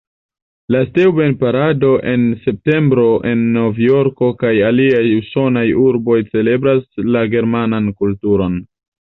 La Steuben-parado en septembro en Novjorko kaj aliaj usonaj urboj celebras la germanan kulturon.